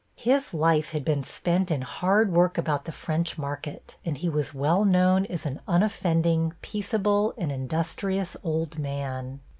His life had been spent in hard work about the French market, and he was well known as an unoffending, peaceable and industrious old man.